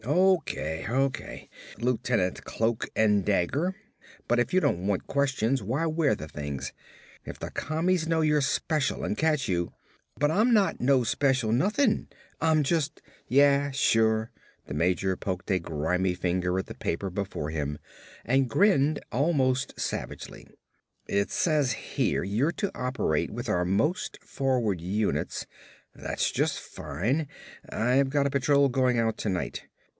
"O.K., O.K., Lieutenant Cloak and Dagger, but if you don't want questions why wear the things? If the Commies know you're a special and catch you " "But Ah'm not no special nuthin'. Ah'm jus' " "Yeah, sure." The major poked a grimy finger at the paper before him and grinned almost savagely. "It says here you're to operate with our most forward units. That's just fine. I've got a patrol going out tonight.